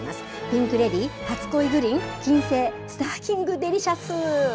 ピンクレディ、はつ恋ぐりん、金星、スターキングデリシャス。